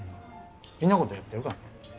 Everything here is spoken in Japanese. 好きなことやってるからね。